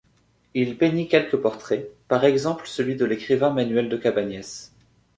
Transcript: Il peignit quelques portraits, par exemple celui de l'écrivain Manuel de Cabanyes.